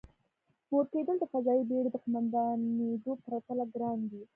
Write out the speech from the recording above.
مور کېدل د فضايي بېړۍ د قوماندانېدو پرتله ګران دی.